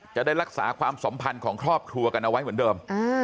จะได้รักษาความสัมพันธ์ของครอบครัวกันเอาไว้เหมือนเดิม